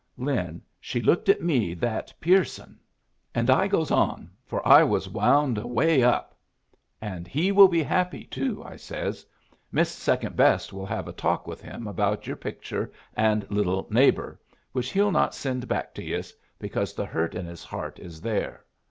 "Lin, she looked at me that piercin'! "And I goes on, for I was wound away up. 'And he will be happy, too,' I says. 'Miss Second Best will have a talk with him about your picture and little "Neighbor," which he'll not send back to yus, because the hurt in his heart is there.